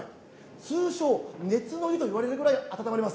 通称、熱の湯といわれるぐらい温まります。